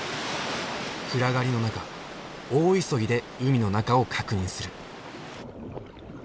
暗がりの中大急ぎで海の中を確認する。